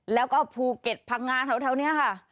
แล้วก็ภูเก็ตพงาเท่าเท่านี้ค่ะ